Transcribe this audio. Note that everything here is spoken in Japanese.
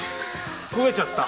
焦げちゃった！